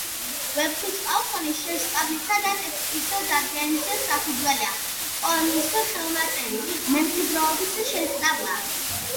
ვეფხისტყაოსნის შესწავლისა და ტექსტის დადგენის საფუძველია პოემის ხელნაწერი მემკვიდრეობის შესწავლა.